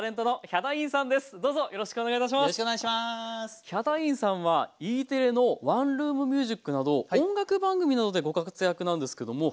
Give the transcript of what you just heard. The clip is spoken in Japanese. ヒャダインさんは「Ｅテレ」の「ワンルームミュージック」など音楽番組などでご活躍なんですけども。